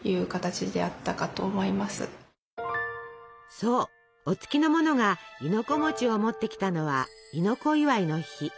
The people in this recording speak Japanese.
そうお付きの者が亥の子を持ってきたのは「亥の子祝い」の日。